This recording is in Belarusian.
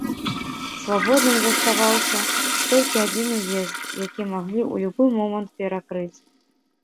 Свабодным заставаўся толькі адзін уезд, які маглі ў любы момант перакрыць.